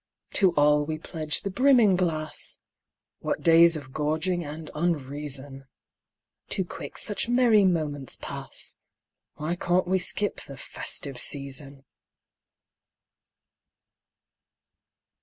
_) To all we pledge the brimming glass! (What days of gorging and unreason!) Too quick such merry moments pass (_Why can't we skip the "festive season"?